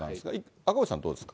赤星さんはどうですか？